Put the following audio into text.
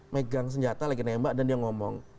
megang senjata lagi nembak dan dia ngomong